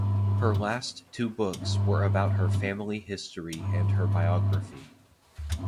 Her last two books were about her family history and her biography.